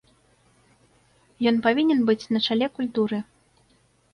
Ён павінен быць на чале культуры.